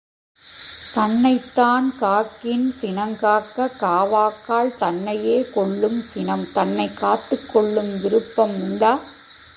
தன்னைத்தான் காக்கின் சினங்காக்க காவாக்கால் தன்னையே கொல்லும் சினம் தன்னைக் காத்துக் கொள்ளும் விருப்பம் உண்டா?